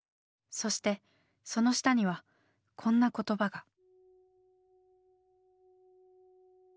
そしてその下にはこんな言葉が。